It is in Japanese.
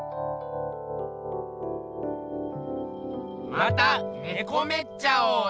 またねこめっちゃおね。